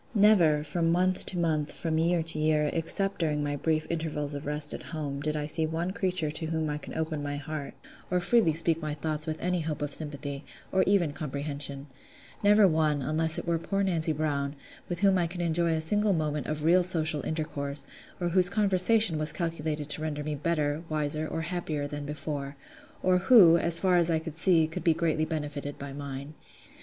Never, from month to month, from year to year, except during my brief intervals of rest at home, did I see one creature to whom I could open my heart, or freely speak my thoughts with any hope of sympathy, or even comprehension: never one, unless it were poor Nancy Brown, with whom I could enjoy a single moment of real social intercourse, or whose conversation was calculated to render me better, wiser, or happier than before; or who, as far as I could see, could be greatly benefited by mine.